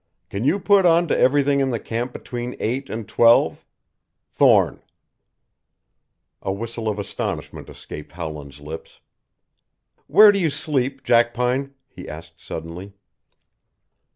Can put you on to everything in the camp between eight and twelve. THORNE." A whistle of astonishment escaped Howland's lips. "Where do you sleep, Jackpine?" he asked suddenly.